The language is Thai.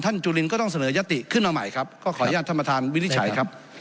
จุลินก็ต้องเสนอยติขึ้นมาใหม่ครับก็ขออนุญาตท่านประธานวินิจฉัยครับ